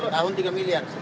tahun tiga miliar